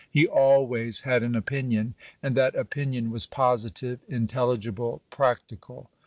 He always had ail opinion, and that opinion was positive, in telligible, practical.